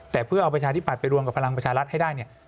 แต่เพื่อเอาประชาธิบัตย์ไปรวมกับพลังประชารัฐให้ได้เนี่ย